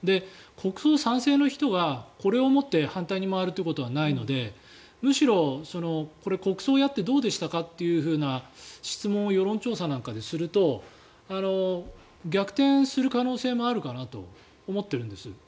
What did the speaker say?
国葬賛成の人はこれをもって反対に回るということはないのでむしろ、これ、国葬をやってどうでしたか？という質問を世論調査なんかですると逆転する可能性もあるかなと思ってるんです。